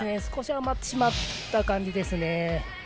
少し余ってしまった感じですね。